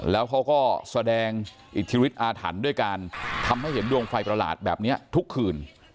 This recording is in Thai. แล้วเขาก็แสดงอิทธิฤทธอาถรรพ์ด้วยการทำให้เห็นดวงไฟประหลาดแบบนี้ทุกคืน